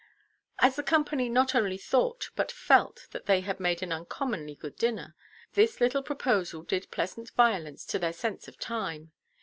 As the company not only thought, but felt that they had made an uncommonly good dinner, this little proposal did pleasant violence to their sense of time.